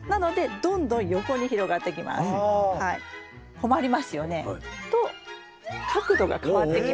困りますよね。と角度が変わってきます。